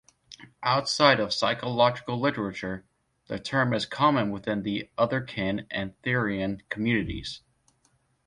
Outside of psychological literature, the term is common within the otherkin and therian communities.